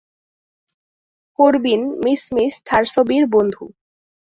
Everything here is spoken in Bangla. কর্বিন, মিস মিস থার্সবির বন্ধু।